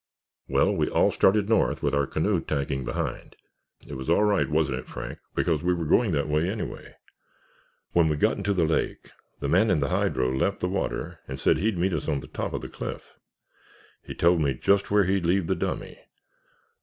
Well, we all started north with our canoe tagging behind. It was all right, wasn't it, Frank, because we were going that way anyway. When we got into the lake the man in the hydro left the water and said he'd meet us on the top of the cliff. He told me just where he'd leave the dummy.